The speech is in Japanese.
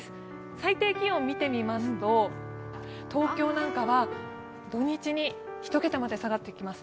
最低気温を見てみますと、東京などは土日に１桁まで下がってきます。